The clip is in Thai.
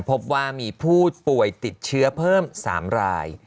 พบว่ามีผู้ป่วยติดเชื้อเพิ่ม๓ราย